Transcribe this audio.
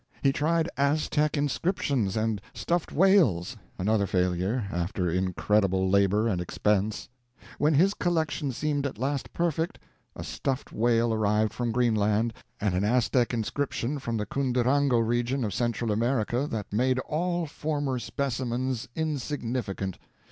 He tried Aztec inscriptions and stuffed whales another failure, after incredible labor and expense. When his collection seemed at last perfect, a stuffed whale arrived from Greenland and an Aztec inscription from the Cundurango regions of Central America that made all former specimens insignificant.